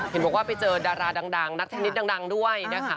เห็นมัวว่าไปเจอดาราดังนัฏฐานิตดังด้วยนะคะ